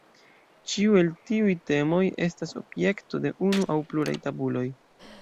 Ĉiu el tiuj temoj estas objekto de unu aŭ pluraj tabuloj.